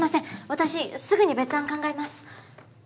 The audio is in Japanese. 私すぐに別案考えます！